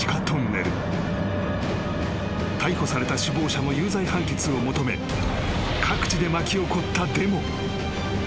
［逮捕された首謀者の有罪判決を求め各地で巻き起こったデモ］